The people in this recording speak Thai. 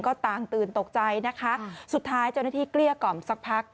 ก็ต่างตื่นตกใจนะคะสุดท้ายเจ้าหน้าที่เกลี้ยกล่อมสักพัก